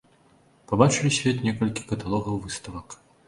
Пабачылі свет некалькі каталогаў выставак.